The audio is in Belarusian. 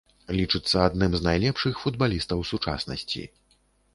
Лічыцца адным з найлепшых футбалістаў сучаснасці.